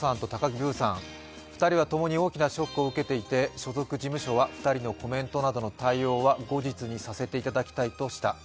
２人は共に大きなショックを受けていて、所属事務所は、２人のコメントなどの対応などは後日にさせていただきたいとした。